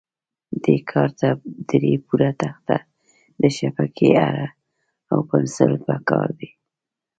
دې کار ته درې پوره تخته، د شبکې اره او پنسل په کار دي.